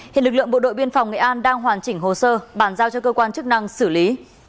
hiện lực lượng bộ đội biên phòng nghệ an đang hoàn chỉnh hồ sơ bàn giao cho cơ quan chức năng xử lý